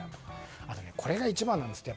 あとこれが一番なんですって。